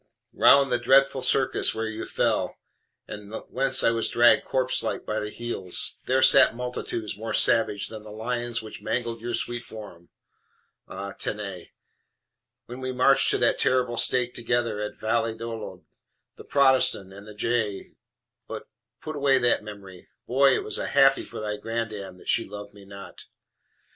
Round the dreadful circus where you fell, and whence I was dragged corpselike by the heels, there sat multitudes more savage than the lions which mangled your sweet form! Ah, tenez! when we marched to the terrible stake together at Valladolid the Protestant and the J But away with memory! Boy! it was happy for thy grandam that she loved me not.